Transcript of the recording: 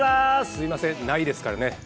すみません、ないですからね。